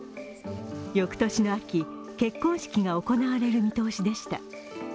翌年の秋、結婚式が行われる見通しでした。